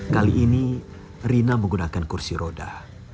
kali ini rina menggunakan kursi roda